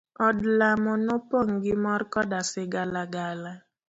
Od lamo nopong' gi mor koda sigalagala.